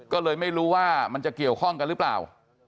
ก็เลยไม่รู้ว่ามันจะเกี่ยวข้องกันหรือเปล่า